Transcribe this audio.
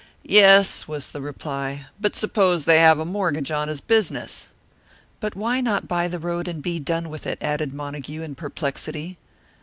"Yes," was the reply. "But suppose they have a mortgage on his business?" "But why not buy the road and be done with it?" added Montague, in perplexity.